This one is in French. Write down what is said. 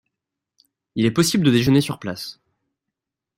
Il est possible de déjeuner sur place.